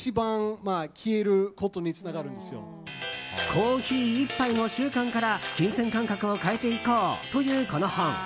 コーヒー１杯の習慣から金銭感覚を変えていこうというこの本。